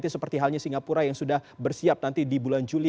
seperti halnya singapura yang sudah bersiap nanti di bulan juli